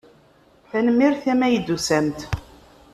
Tanemmirt imi ay d-tusamt.